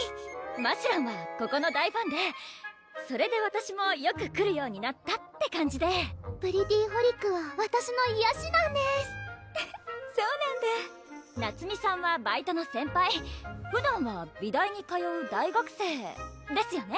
ましろんはここの大ファンでそれでわたしもよく来るようになったって感じでＰｒｅｔｔｙＨｏｌｉｃはわたしのいやしなんですフフそうなんだ菜摘さんはバイトの先輩ふだんは美大に通う大学生ですよね？